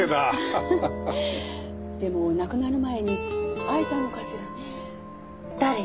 でも亡くなる前に会えたのかしらねえ。